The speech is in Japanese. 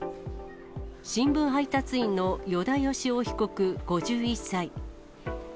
新聞配達員の依田淑雄被告５１歳。